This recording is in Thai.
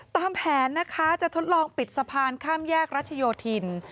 ตามแผนนะคะจะทดลองปิดสะพานข้ามแยกรัชโยธิน